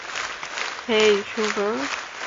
হেই, শোনো।